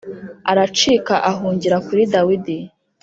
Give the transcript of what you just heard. aracika ahungira kuri Dawidi.